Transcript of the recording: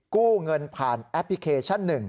กู้เงินผ่านแอปพลิเคชัน๑